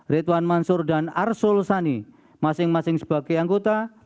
ridwan mansur dan arsul sani masing masing sebagai anggota